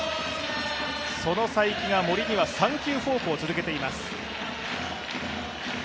その才木には３球、フォークを続けています。